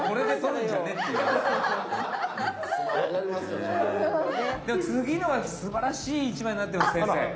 でも次のは素晴らしい１枚になってます先生。